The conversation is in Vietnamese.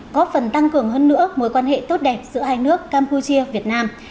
có phần tăng cường hơn nữa mối quan hệ tốt đẹp giữa hai nước campuchia việt nam